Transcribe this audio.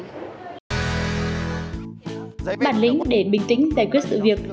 bản lĩnh để bình tĩnh giải quyết sự việc